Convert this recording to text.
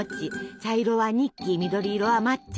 茶色はニッキ緑色は抹茶。